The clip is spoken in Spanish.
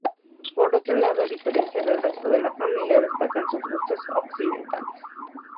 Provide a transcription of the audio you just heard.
Por otro lado, a diferencia del resto de la familia, destacan sus gustos occidentales.